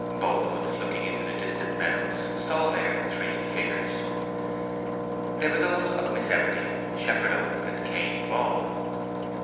Boldwood, looking into the distant meadows, saw there three figures. They were those of Miss Everdene, Shepherd Oak, and Cainy Ball.